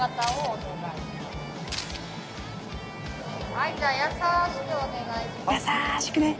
はいじゃあ優しくお願いします。